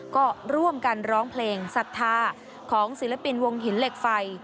ก็ร่วมกันร้องเพลงศรัทธาของศิลปินวงหินเหล็กไฟ